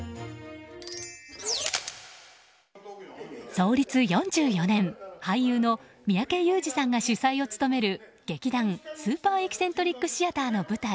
創立４４年、俳優の三宅裕司さんが主宰を務める劇団スーパー・エキセントリック・シアターの舞台